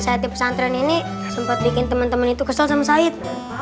saya pesantren ini sempat bikin teman teman itu kesel sama zaid